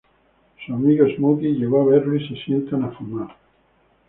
Su amigo Smokey llega a verlo y se sientan a fumar.